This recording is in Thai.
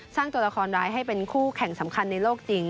สร้างตัวละครร้ายให้เป็นคู่แข่งสำคัญในโลกจริง